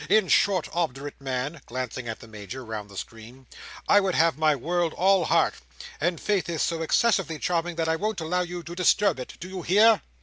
In short, obdurate man!" glancing at the Major, round the screen, "I would have my world all heart; and Faith is so excessively charming, that I won't allow you to disturb it, do you hear?"